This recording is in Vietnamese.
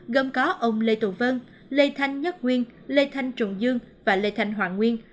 gồm có ông lê tù vân lê thanh nhất nguyên lê thanh trùng dương và lê thanh hoàng nguyên